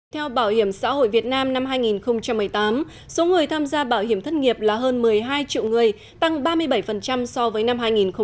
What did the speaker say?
theo bảo hiểm xã hội việt nam năm hai nghìn một mươi tám số người tham gia bảo hiểm thất nghiệp là hơn một mươi hai triệu người tăng ba mươi bảy so với năm hai nghìn một mươi bảy